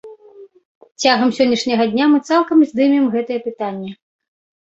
Цягам сённяшняга дня мы цалкам здымем гэтае пытанне.